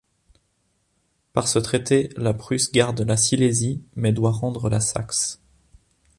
Par ce traité, la Prusse garde la Silésie mais doit rendre la Saxe.